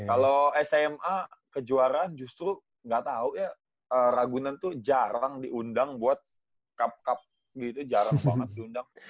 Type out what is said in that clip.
kalau sma kejuaraan justru nggak tahu ya ragunan tuh jarang diundang buat cup cup gitu jarang banget diundang